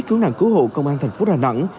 cứu nạn cứu hộ công an thành phố đà nẵng